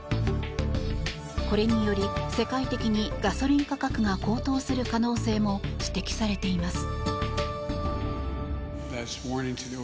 これにより、世界的にガソリン価格が高騰する可能性も指摘されています。